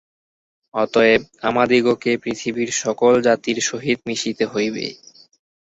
অতএব আমাদিগকে পৃথিবীর সকল জাতির সহিত মিশিতে হইবে।